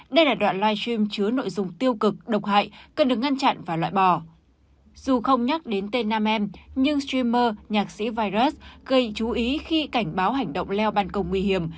dù không nhắc đến tên nam em nhưng streamer nhạc sĩ virus gây chú ý khi cảnh báo hành động leo bàn công nguy hiểm